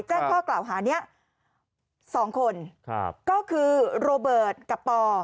แจ้งข้อกล่าวหานี้๒คนก็คือโรเบิร์ตกับปอ